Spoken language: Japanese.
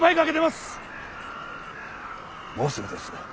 もうすぐです。